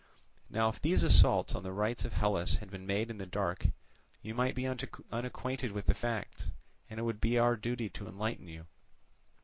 Now if these assaults on the rights of Hellas had been made in the dark, you might be unacquainted with the facts, and it would be our duty to enlighten you.